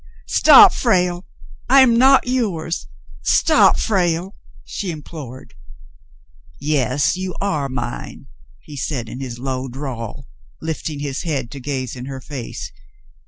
"Stop, Frale ! I am not yours; stop, Frale," she implored. '*Yas, you are mine," he said, in his low drawl, lifting his head to gaze in her face.